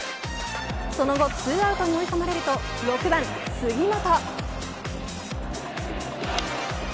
その後２アウトに追い込まれると６番、杉本。